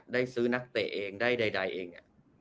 ได้ซื้อนักเตะเองได้ใดเอง